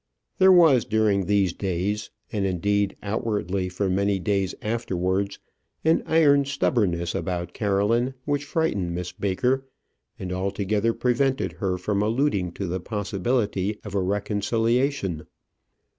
There was during these days, and indeed outwardly for many days afterwards, an iron stubbornness about Caroline which frightened Miss Baker and altogether prevented her from alluding to the possibility of a reconciliation.